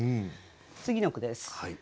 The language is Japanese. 次の句です。